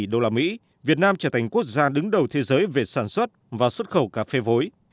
đô la mỹ việt nam trở thành quốc gia đứng đầu thế giới về sản xuất và xuất khẩu cà phê vối